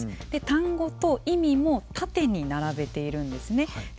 単語と意味も縦に並べているんですね。